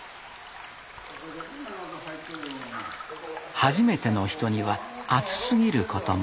初めての人には熱すぎることも。